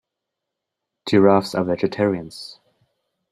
Giraffes are vegetarians.